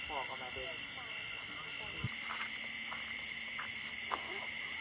โปรดติดตามตอนต่อไป